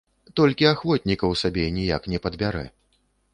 Толькі ахвотнікаў сабе ніяк не падбярэ.